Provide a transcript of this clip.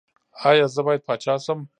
ایا زه باید پاچا شم؟